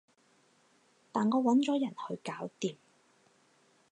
但我搵咗人去搞掂